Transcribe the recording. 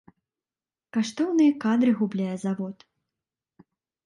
Каштоўныя кадры губляе завод!